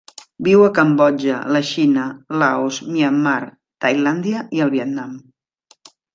Viu a Cambodja, la Xina, Laos, Myanmar, Tailàndia i el Vietnam.